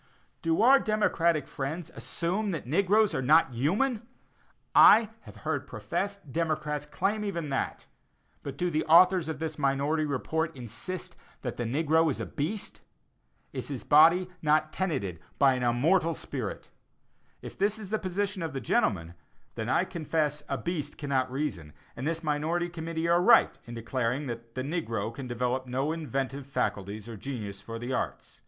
Do our democratic friends assume that the negroes are not human? I have heard professed democrats claim even that; but do the authors of this minority report insist that the negro is a beast? Is his body not tenanted by an immortal spirit? If this is the position of the gentlemen, then I confess a beast cannot reason, and this minority committee are right in declaring that "the negro can develop no inventive faculties or genius for the arts."